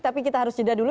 tapi kita harus jeda dulu